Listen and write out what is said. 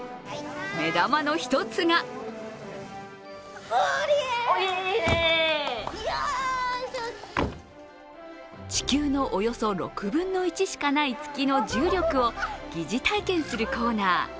目玉の１つが地球のおよそ６分の１しかない月の重力を疑似体験するコーナー。